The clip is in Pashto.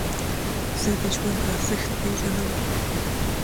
زه د ژوند ارزښت پېژنم.